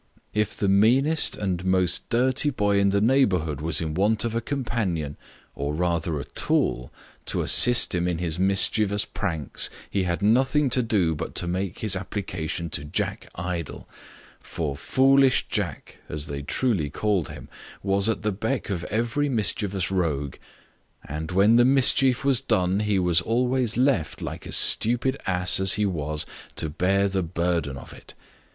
If the meanest and most dirty boy in the neighbourhood was in want of a companion, or rather a tool, to assist him in his mischievous pranks, he had nothing to do but to make his application to Jack Idle; for foolish Jack (as they truly called him) was at the beck of every mischievous rogue; and when the mischief was done, he was always left, like a stupid ass as he was, to bear the burden of it.